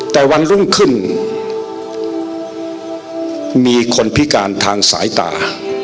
แต่วันรุ่งขึ้นมีคนพิการทางสายตา